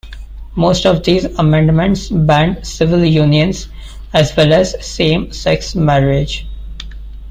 Most of these amendments banned civil unions as well as same-sex marriage.